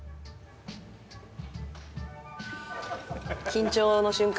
緊張の瞬間。